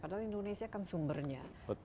padahal indonesia kan sumbernya